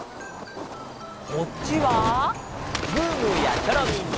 こっちはムームーやチョロミーに。